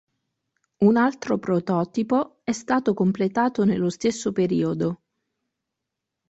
Un altro prototipo è stato completato nello stesso periodo.